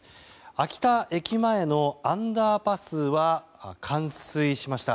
秋田駅前のアンダーパスは冠水しました。